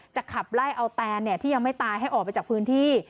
ขับไล่เอาแตนที่ยังไม่ตายให้ออกไปจากพื้นที่